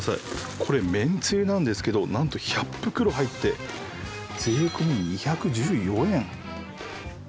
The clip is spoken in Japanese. これめんつゆなんですけどなんと１００袋入って税込２１４円。